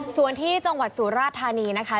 ส่วนที่จังหวัดสุราธานีนะคะ